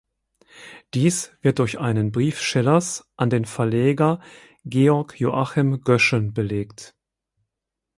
Dies wird durch einen Brief Schillers an den Verleger Georg Joachim Göschen belegt.